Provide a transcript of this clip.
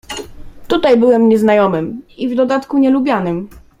"Tutaj byłem nieznajomym i w dodatku nielubianym."